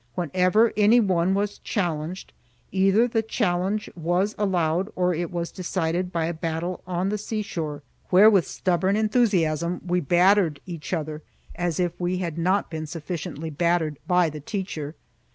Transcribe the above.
Whenever any one was challenged, either the challenge was allowed or it was decided by a battle on the seashore, where with stubborn enthusiasm we battered each other as if we had not been sufficiently battered by the teacher.